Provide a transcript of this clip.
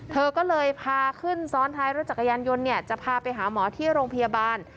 เธอก็เลยพาขึ้นซ้อนท้ายรถจักรยานยนต์เนี่ยจะพาไปหาหมอที่โรงพยาบาล